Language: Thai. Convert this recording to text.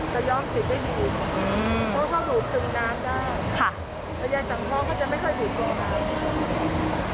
แต่ใยสังเท้าเขาจะไม่ค่อยติดตรงนั้น